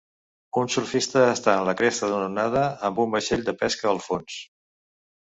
Un surfista està en la cresta d'una onada amb un vaixell de pesca al fons.